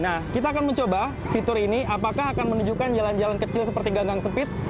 nah kita akan mencoba fitur ini apakah akan menunjukkan jalan jalan kecil seperti ganggang sempit